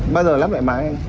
bao giờ lắp lại máy